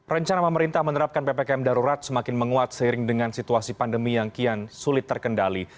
rencana pemerintah menerapkan ppkm darurat semakin menguat seiring dengan situasi pandemi yang kian sulit terkendali